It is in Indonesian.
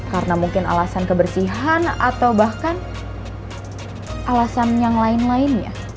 karena mungkin alasan kebersihan atau bahkan alasan yang lain lainnya